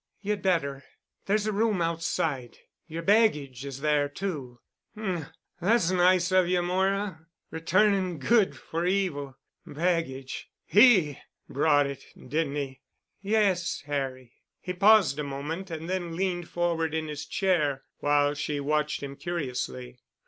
"You'd better. There's a room outside. Your baggage is there too." "Um—that's nice of you, Moira. R'turnin' good for evil. Baggage. He brought it—didn' he?" "Yes, Harry." He paused a moment and then leaned forward in his chair while she watched him curiously.